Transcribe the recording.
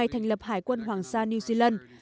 thành lập hải quân hoàng gia new zealand